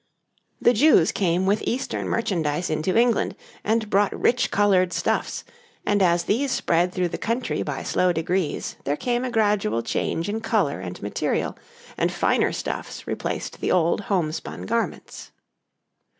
The Jews came with Eastern merchandise into England, and brought rich coloured stuffs, and as these spread through the country by slow degrees, there came a gradual change in colour and material, and finer stuffs replaced the old homespun garments.